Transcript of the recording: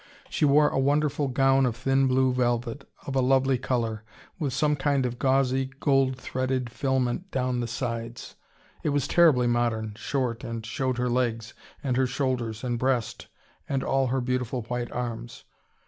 She wore a wonderful gown of thin blue velvet, of a lovely colour, with some kind of gauzy gold threaded filament down the sides. It was terribly modern, short, and showed her legs and her shoulders and breast and all her beautiful white arms.